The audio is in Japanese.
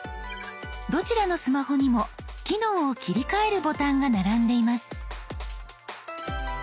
どちらのスマホにも機能を切り替えるボタンが並んでいます。